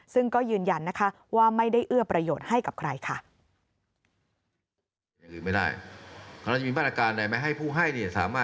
ซึ่งก็ยืนยันนะคะว่าไม่ได้เอื้อประโยชน์ให้กับใครค่ะ